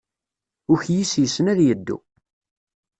Ukyis yessen ad yeddu.